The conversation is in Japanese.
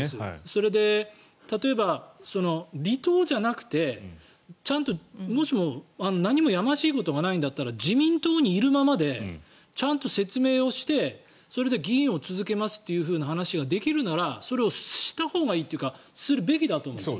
それで、例えば離党じゃなくてちゃんともしも、何もやましいことがないんだったら自民党にいるままでちゃんと説明をしてそれで議員を続けますという話ができるならそれをしたほうがいいというかするべきだと思うんです。